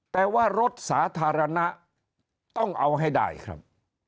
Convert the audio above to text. แต่ว่ารถสาธารณะต้องเอาให้ได้ครับ